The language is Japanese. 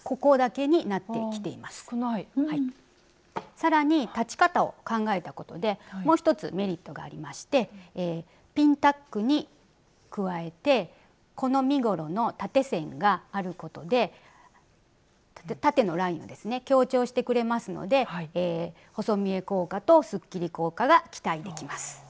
更に裁ち方を考えたことでもう一つメリットがありましてピンタックに加えてこの身ごろの縦線があることで縦のラインを強調してくれますので細見え効果とすっきり効果が期待できます。